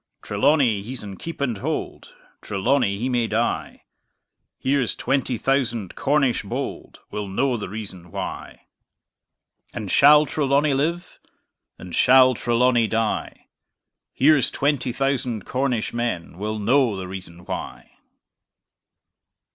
Trelawny he's in keep and hold; Trelawny he may die: Here's twenty thousand Cornish bold Will know the reason why And shall Trelawny live? Or shall Trelawny die? Here's twenty thousand Cornish men Will know the reason why!